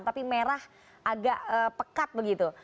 tapi merah agak pekat begitu